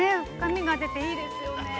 深みが出て、いいですよね。